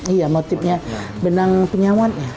iya motifnya benang penyawan ya